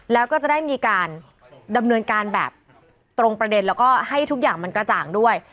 แล้วก็จะได้มีการดำเนินการแบบตรงประเด็นแล้วก็ให้ทุกอย่างมันกระจ่างด้วย